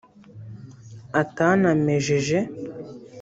atanamejeje